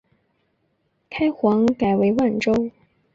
开皇改为万州。